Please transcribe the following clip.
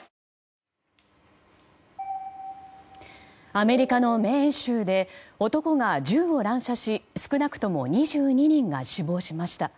アメリカのメーン州で男が銃を乱射し少なくとも２２人が死亡しました。